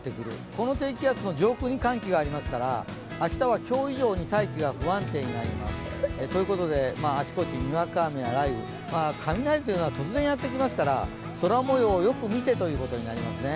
この低気圧の上空に寒気がありますから、明日は今日以上に大気が不安定になります、ということで、あちこち、にわか雨や雷雨、雷というのは突然やってきますから、空もようをよく見てということになりますね。